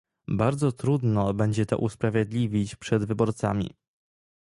Bardzo trudno będzie to usprawiedliwić przed wyborcami